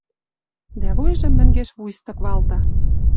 Дӓ вуйжым мӹнгеш вуйстык валта.